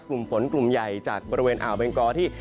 กลุ่มฝนกลุ่มใหญ่จากบริเวณอ่าวเบงกอที่